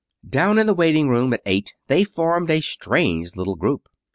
] Down in the writing room at eight they formed a strange little group.